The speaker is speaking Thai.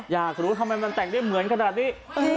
อยากรู้ทำไมมันแต่งได้เหมือนขนาดนี้